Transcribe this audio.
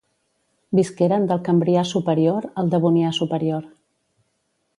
Visqueren del Cambrià superior al Devonià superior.